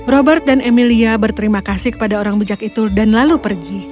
robert dan emilia berterima kasih kepada orang bijak itu dan lalu pergi